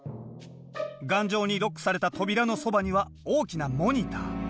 頑丈にロックされた扉のそばには大きなモニター。